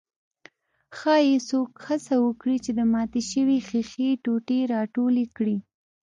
ښايي څوک هڅه وکړي چې د ماتې شوې ښيښې ټوټې راټولې کړي.